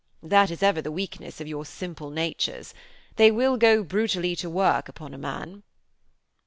That is ever the weakness of your simple natures. They will go brutally to work upon a man.'